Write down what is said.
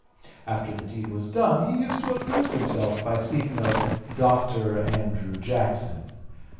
After the deed (p. 242) was done, he used to amuse himself by speaking of "Doctor Andrew Jackson."